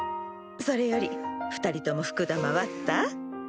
それより２人とも福玉割った？